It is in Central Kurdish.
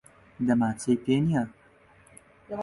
دەمانچەی پێ نییە.